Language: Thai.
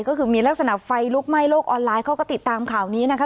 ก็คือมีลักษณะไฟลุกไหม้โลกออนไลน์เขาก็ติดตามข่าวนี้นะคะ